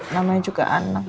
namanya juga anak